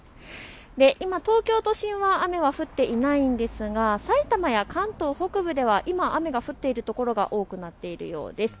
今、東京都心は雨は降っていないですがさいたまや関東北部では今、雨が降っている所が多くなっているようです。